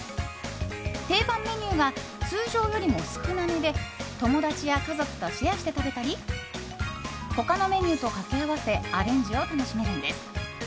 定番メニューが通常よりも少なめで友達や家族とシェアして食べたり他のメニューとかけ合わせアレンジを楽しめるんです。